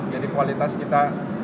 jadi kualitas kita